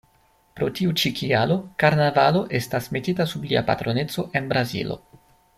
Pro tiu ĉi kialo, karnavalo estas metita sub lia patroneco en Brazilo.